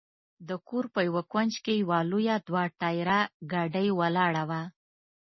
د کور په یوه کونج کې یوه لویه دوه ټایره ګاډۍ ولاړه وه.